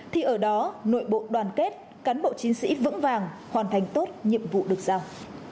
thì ở đó nội bộ đoàn kết cán bộ chiến sĩ vững vàng hoàn thành tốt nhiệm vụ được giao